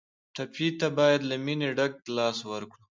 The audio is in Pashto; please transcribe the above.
ټپي ته باید له مینې ډک لاس ورکړو.